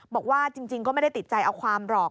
บอกว่าจริงก็ไม่ได้ติดใจเอาความหรอก